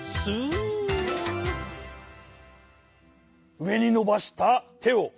うえにのばしたてをおろすぞ。